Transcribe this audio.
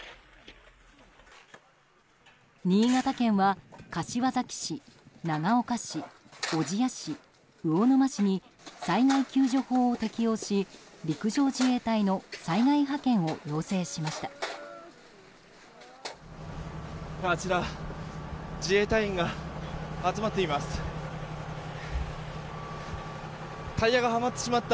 新潟県は、柏崎市、長岡市小千谷市、魚沼市に災害救助法を適用し陸上自衛隊の災害派遣を要請しました。